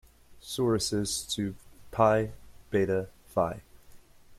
Sorosis to Pi Beta Phi.